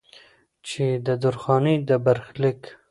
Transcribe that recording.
چې د درخانۍ د برخليک